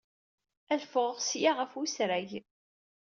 Ad d-ffɣeɣ seg-a ɣef wesrag.